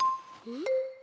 うん。